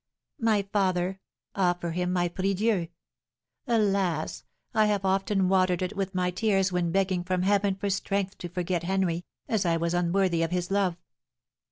"My father, offer him my prie Dieu. Alas! I have often watered it with my tears when begging from Heaven for strength to forget Henry, as I was unworthy of his love."